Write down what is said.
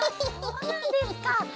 あそうなんですか。